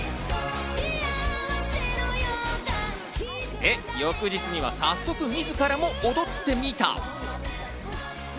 で、翌日には早速、自らも踊ってみた！